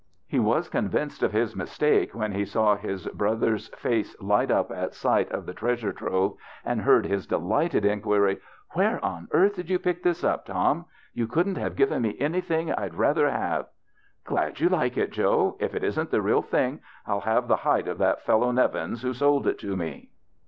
He was convinced of his mistake when he saw his brother's face light up at sight of the treas ure trove and heard his delighted inquiry, '' Where on earth did you pick this up, Tom? 16 THE BACHELOR'S CHRISTMAS You couldn't have given me anything I'd rather have." " Glad you like it, Joe. If it isn't the real thing, I'll have the hide of that fellow, Nev ins, who sold it to me."